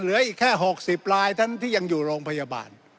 เหลืออีกแค่๖๐ลายทั้งที่ยังอยู่โรงพยาบาล